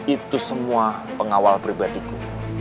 itu semua pengawal pribadiku